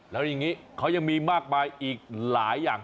แล้วอย่างนี้เขายังมีมากมายอีกหลายอย่าง